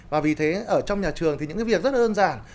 và vì thế ở trong nhà trường thì những cái việc rất là đơn giản